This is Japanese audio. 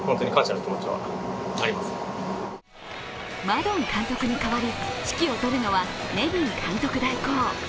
マドン監督に代わり指揮を執るのは、ネビン監督代行。